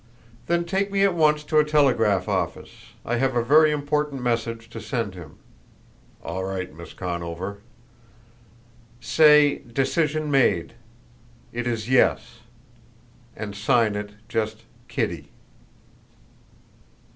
"Then take me at once to a telegraph office. I have a very important message to send him." "All right, Miss Conover." "Say: 'Decision made. It is yes.' And sign it just Kitty."